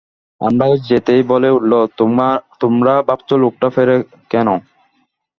আমরা যেতেই বলে উঠল, তোমরা ভাবছ লোকটা ফেরে কেন?